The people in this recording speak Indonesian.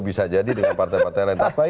bisa jadi dengan partai partai lain